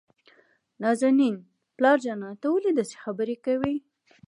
نازنين: پلار جانه ته ولې داسې خبرې کوي؟